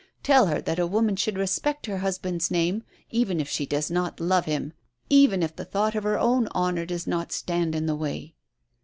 Tell her that a woman should respect her husband's name, even if she does not love him, even if the thought of her own honor does not stand in the way."